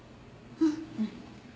うん。